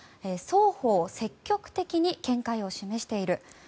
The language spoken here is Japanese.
双方、積極的に見解を示している。